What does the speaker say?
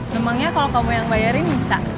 memangnya kalau kamu yang bayarin bisa